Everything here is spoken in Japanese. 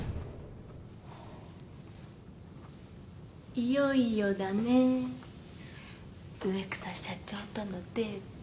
いよいよだね植草社長とのデート。